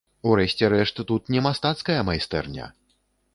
У рэшце рэшт, тут не мастацкая майстэрня!